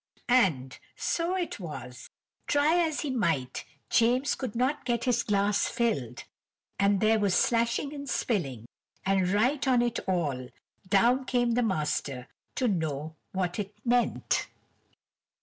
And so it was. Try as he might James could not get his glass filled, and there was slashing and spilling, and right on it all, down came the master to know what it meant!